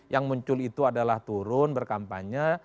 yang muncul itu adalah turun berkampanye